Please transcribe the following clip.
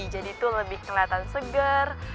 jadi tuh lebih kelihatan segar